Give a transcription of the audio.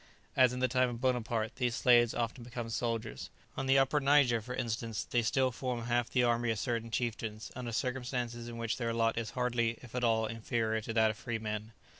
As in the time of Buonaparte, these slaves often become soldiers; on the Upper Niger, for instance, they still form half the army of certain chieftains, under circumstances in which their lot is hardly, if at all, inferior to that of free men.